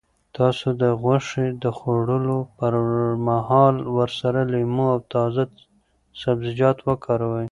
تاسو د غوښې د خوړلو پر مهال ورسره لیمو او تازه سبزیجات وکاروئ.